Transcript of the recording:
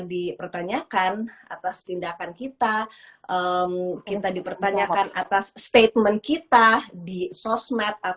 dipertanyakan atas tindakan kita kita dipertanyakan atas statement kita di sosmed